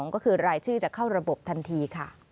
ก็คือรายชื่อจะเข้าระบบทันทีค่ะ